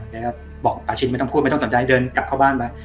แกก็บอกปาชินไม่ต้องพูดไม่ต้องสนใจเดินกลับเข้าบ้านไป